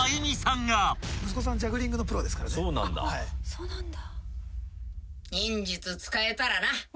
そうなんだ。